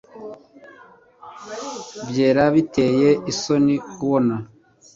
Byera biteye isoni kubona